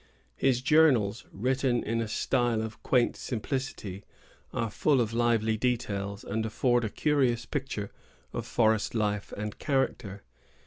His journals, written in a style of quaint simplicity, are full of lively details, and afford a curious picture of forest life and character.